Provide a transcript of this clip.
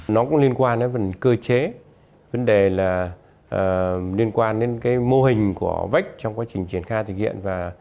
nó cũng liên quan đến phần cơ chế liên quan đến mô hình của vec trong quá trình triển khai thực hiện